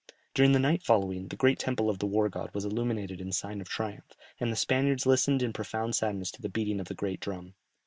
During the night following, the great temple of the war god was illuminated in sign of triumph, and the Spaniards listened in profound sadness to the beating of the great drum.